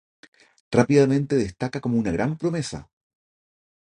Rápidamente destaca como una gran promesa.